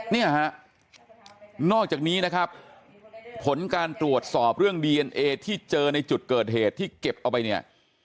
เนี่ยฮะนอกจากนี้นะครับผลการตรวจสอบเรื่องดีเอ็นเอที่เจอในจุดเกิดเหตุที่เก็บเอาไปเนี่ย